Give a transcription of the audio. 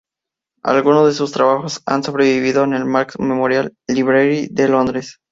Algunos de sus trabajos han sobrevivido en el Marx Memorial Library de Londres.